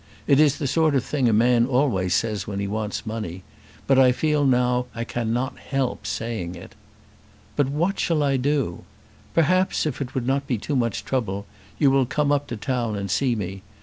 It is a sort of thing a man always says when he wants money; but I feel now I cannot help saying it. But what shall I do? Perhaps, if it be not too much trouble, you will come up to town and see me.